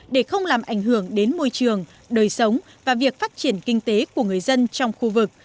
để không làm ảnh hưởng đến môi trường đời sống và việc phát triển kinh tế của người dân trong khu vực